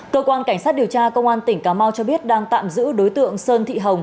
cơ quan cảnh sát điều tra công an tỉnh cà mau cho biết đang tạm giữ đối tượng sơn thị hồng